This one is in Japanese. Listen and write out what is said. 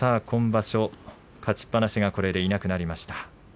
今場所、勝ちっぱなしがこれでいなくなりました。